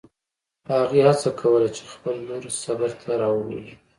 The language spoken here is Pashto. هغې هڅه کوله چې خپله لور صبر ته راوبولي.